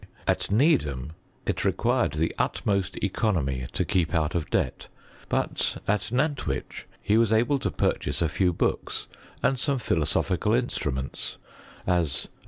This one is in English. At Needham it required the ut most economy to keep out of debt; but at Nant wich, he was able to purchase a few books and some philosophical instruments, as a.